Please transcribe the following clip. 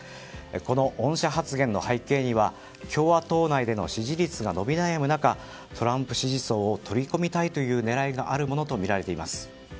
この恩赦発言の背景には共和党内での支持率が伸び悩む中トランプ支持層を取り込みたい狙いがあるものとみられます。